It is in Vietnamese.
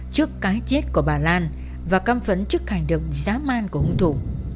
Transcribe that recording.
trước cái chết của bà lan và căm phấn trước hành động giá man của hùng thủ